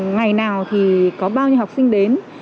ngày nào thì có bao nhiêu học sinh đến